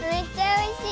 おいしい？